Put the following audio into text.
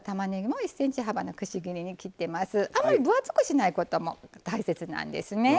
あんまり分厚くしないことも大切なんですね。